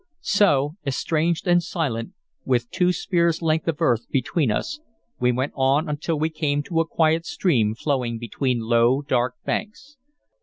So, estranged and silent, with two spears' length of earth between us, we went on until we came to a quiet stream flowing between low, dark banks.